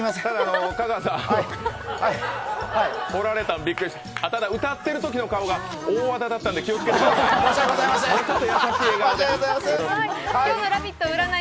香川さん、ただうたってるときの顔が大和田だったので気をつけてください。